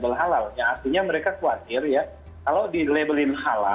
nah males pemerintah nanti juga bisa menjadi pengguna